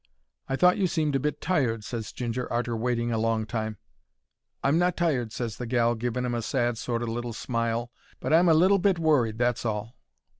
"I thought you seemed a bit tired," ses Ginger, arter waiting a long time. "I'm not tired," ses the gal, giving 'im a sad sort o' little smile, "but I'm a little bit worried, that's all."